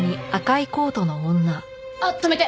あっ止めて！